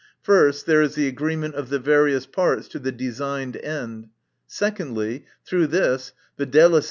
First, there is the agreement of the various parts to the designed end. Secondly, through this, viz.